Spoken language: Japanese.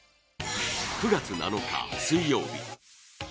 ９月７日水曜日